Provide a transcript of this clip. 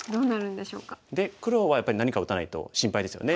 で黒はやっぱり何か打たないと心配ですよね。